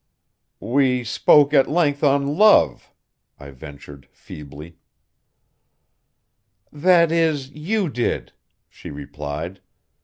"We spoke at length on love," I ventured feebly. "That is, you did," she replied.